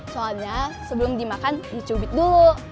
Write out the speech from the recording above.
soalnya sebelum dimakan dicubit dulu